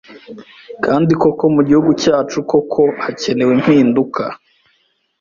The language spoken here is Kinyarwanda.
kandi ko mu gihugu cyacu koko hacyenewe impinduka